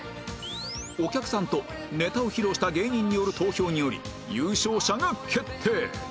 お客さんとネタを披露した芸人による投票により優勝者が決定！